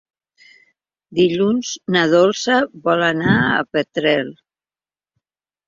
Dilluns na Dolça vol anar a Petrer.